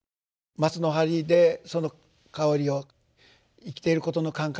松の針でその香りを生きてることの感覚